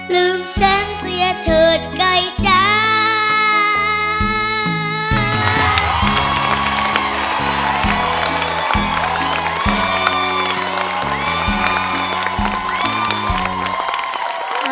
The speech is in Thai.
ลืมฉันเสียเถิดใกล้จ้า